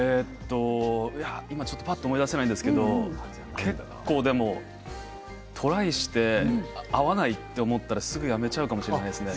今ぱっと思い出せないですけれど結構トライして合わないと思ったら、すぐにやめちゃうかもしれないですね。